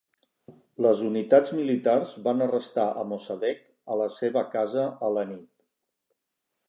Les unitats militars van arrestar a Mossadeq a la seva casa a la nit.